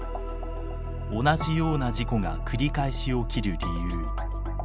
同じような事故が繰り返し起きる理由。